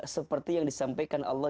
seperti yang disampaikan allah